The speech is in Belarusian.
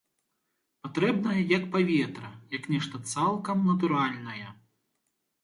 Патрэбная як паветра, як нешта цалкам натуральнае.